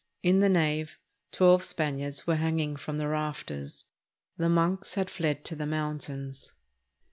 In the nave twelve Spaniards were hanging from the rafters. The monks had fled to the mountains.